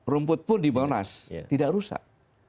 dua dua belas rumput pun di monas tidak rusak